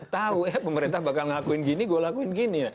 tahu ya pemerintah bakal ngakuin gini gue lakuin gini